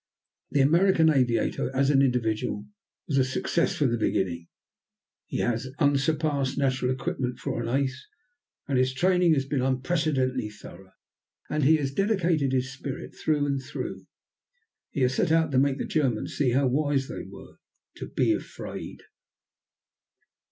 The American aviator as an individual was a success from the beginning. He has unsurpassed natural equipment for an ace, and his training has been unprecedentedly thorough. And he has dedicated his spirit through and through. He has set out to make the Germans see how wise they were to be afraid.